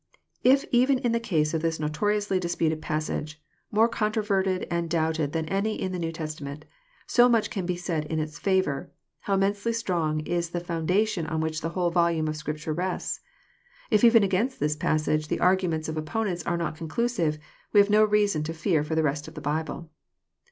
If even In the case of this notori ously disputed passage — more controverted and doubted than any in the New Testament — so much can be said in its favour, how immensely strong is the foundation on which the whole volume of Scripture rests I If even against this passage the arguments of opponents are not conclusive, we have no reason to fear for the rest of the Bible.